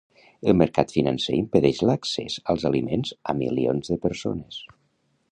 El mercat financer impedeix l’accés als aliments a milions de persones.